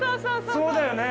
そうだよね。